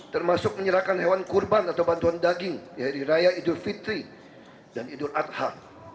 termasuk menyerahkan hewan kurban atau bantuan daging di hari raya idul fitri dan idul adha